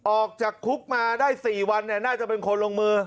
ออกจากคุกมาได้๔วันน่าจะเป็นคนลงมือ